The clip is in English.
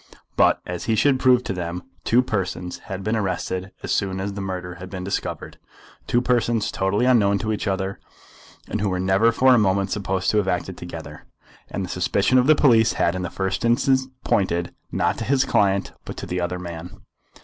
But, as he should prove to them, two persons had been arrested as soon as the murder had been discovered, two persons totally unknown to each other, and who were never for a moment supposed to have acted together, and the suspicion of the police had in the first instance pointed, not to his client, but to the other man.